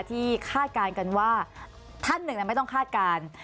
คาดการณ์กันว่าท่านหนึ่งไม่ต้องคาดการณ์